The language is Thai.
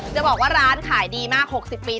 จะบอกว่าร้านขายดีมาก๖๐ปี